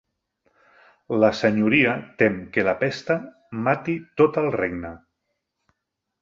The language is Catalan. La Senyoria tem que la pesta mati tot el regne.